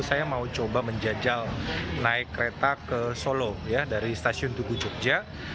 saya mau coba menjajal naik kereta ke solo dari stasiun tugu jogja